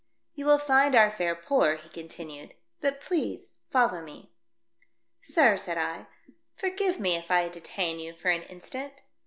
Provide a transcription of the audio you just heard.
" You will find our fare poor," he con tinued. "Be pleased to follow me." "Sir," said I, "forgive me if I detain you for an instant.